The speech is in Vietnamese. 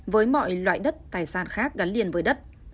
với mọi loại đất tài sản khác gắn liền với đất